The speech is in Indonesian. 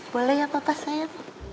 boleh ya papa sayang